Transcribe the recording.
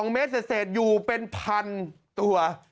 ๒เมตรเศษอยู่เป็นพันตัว